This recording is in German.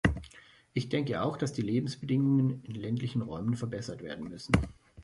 Ich denke auch, dass die Lebensbedingungen in ländlichen Räumen verbessert werden müssen.